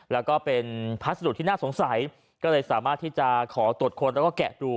แล้วก็เป็นพัสดุที่น่าสงสัยก็เลยสามารถที่จะขอตรวจค้นแล้วก็แกะดู